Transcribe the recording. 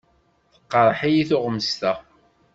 Teqreḥ-iyi tuɣmest-a.